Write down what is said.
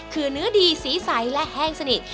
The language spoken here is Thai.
คือเนื้อดีสีใสและแห้งสนิท